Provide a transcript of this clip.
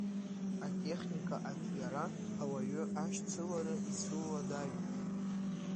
Атехника аҿиара ауаҩы ашьцылара ицәыуадаҩуп.